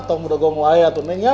tunggu udah gue ngeliat neng ya